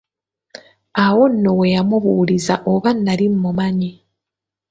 Awo nno we yamubuuliza oba nali mumanyi.